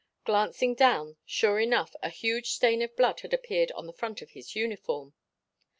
Glancing down sure enough a huge stain of blood had appeared on the front of his uniform.